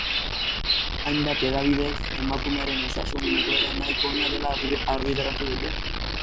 Hainbat hedabidek emakumearen osasun egoera nahiko ona dela argitaratu dute.